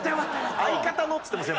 「相方の」っつってますよ